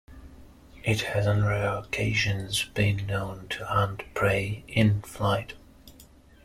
It has on rare occasions been known to hunt prey in flight.